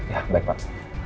ya baik pak